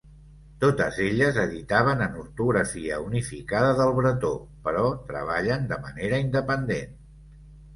Totes elles editaven en ortografia unificada del bretó, però treballen de manera independent.